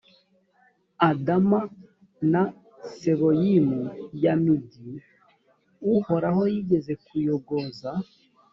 adama na seboyimu, ya migi uhoraho yigeze kuyogoza